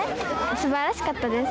すばらしかったです。